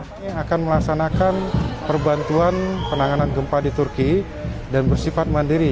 kami akan melaksanakan perbantuan penanganan gempa di turki dan bersifat mandiri